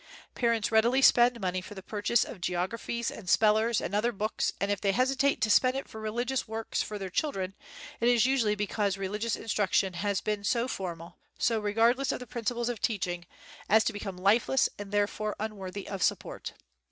Parents readily spend money for the purchase of geog raphies and spellers and other books, and if they hesitate to spend it for religious works for their children, it is usually be cause religious instruction has been so for mal, so regardless of the principles of teach ing, as to become lifeless and therefore unworthy of support.